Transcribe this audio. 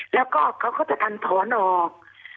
แล้วก็เขาก็จะกันถอนออก